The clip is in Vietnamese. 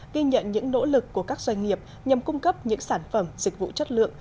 ghi nhận những nỗ lực của các doanh nghiệp nhằm cung cấp những sản phẩm dịch vụ chất lượng